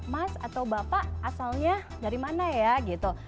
mas atau bapak asalnya dari mana ya gitu